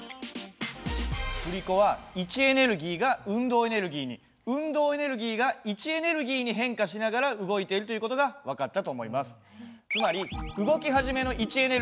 振り子は位置エネルギーが運動エネルギーに運動エネルギーが位置エネルギーに変化しながら動いているという事が分かったと思います。